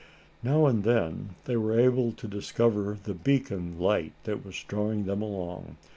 Now and then they were able to discover the beacon light that was drawing them along.